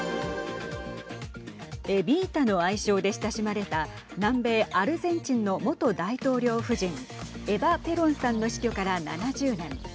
エビータの愛称で親しまれた南米アルゼンチンの元大統領夫人エバ・ペロンさんの死去から７０年。